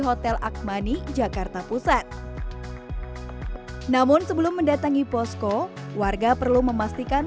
hotel akmani jakarta pusat namun sebelum mendatangi posko warga perlu memastikan